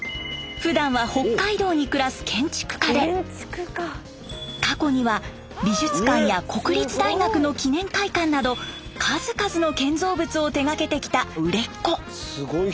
ふだんは北海道に暮らす建築家で過去には美術館や国立大学の記念会館など数々の建造物を手がけてきた売れっ子。